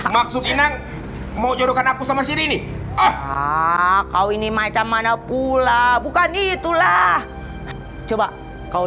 maksud inan mau jodohkan aku sama siri nih kau ini macam mana pula bukan itulah coba kau